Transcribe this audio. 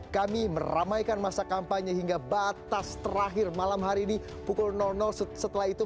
kami meramaikan masa kampanye hingga batas terakhir malam hari ini pukul setelah itu